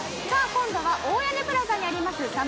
今度は大屋根プラザにあります